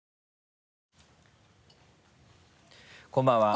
こんばんは。